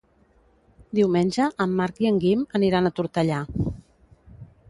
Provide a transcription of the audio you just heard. Diumenge en Marc i en Guim aniran a Tortellà.